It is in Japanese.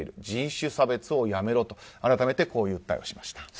人種差別をやめろと改めてこういう訴えをしました。